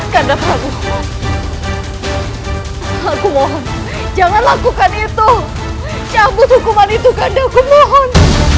karena baru aku mohon jangan lakukan itu cabut hukuman itu kandangku mohon